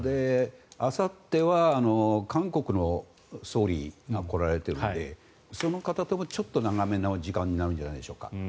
あさっては韓国の総理が来られているのでその方ともちょっと長めの時間になるんじゃないでしょうか。